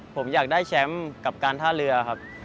ผมอยากได้แชมป์กับการท่าเรือครับ